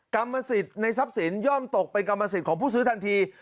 กรรมสิทธิ์ในทรัพย์สินย่อมตกเป็นกรรมสิทธิ์ของผู้ซื้อทันที